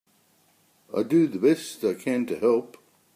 I do the best I can to help.